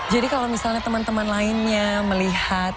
jadi kalau misalnya teman teman lainnya melihat